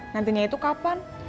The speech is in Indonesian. nantinya itu kapan